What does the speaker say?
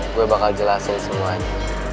gue bakal jelasin semuanya